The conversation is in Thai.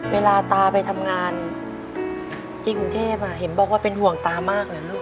เวลาตาไปทำงานที่กรุงเทพเห็นบอกว่าเป็นห่วงตามากเลยลูก